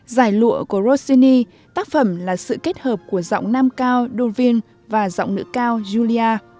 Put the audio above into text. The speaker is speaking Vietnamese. giải lụa của rossini tác phẩm là sự kết hợp của giọng nam cao dolvin và giọng nữ cao julia